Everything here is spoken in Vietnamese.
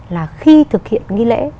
là khi thực hiện nghi lễ